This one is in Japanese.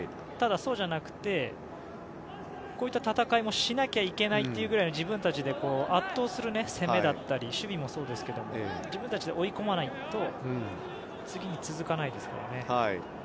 ただ、そうじゃなくてこういった戦いもしなきゃいけないというくらい自分たちで圧倒する攻めだったり守備もそうですけど自分たちで追い込まないと次に続かないので。